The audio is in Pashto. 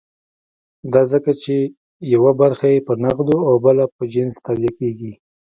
دا ځکه چې یوه برخه یې په نغدو او بله په جنس تادیه کېږي.